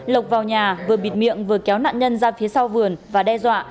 lộc vào nhà vừa bịt miệng vừa kéo nạn nhân ra phía sau vườn và đe dọa